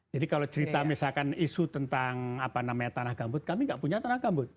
jadi kalau cerita misalkan isu tentang apa namanya tanah gambut kami tidak punya tanah gambut